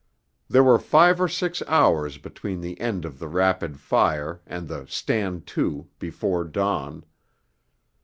There were five or six hours between the end of the rapid fire and the 'Stand to' before dawn.